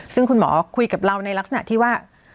ซึ่งคุณหมอคุยกับเราในลักษณะที่ว่า